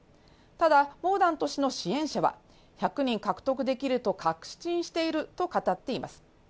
ただ、モーダント氏の支援者は１００人獲得できると確信していると語っています。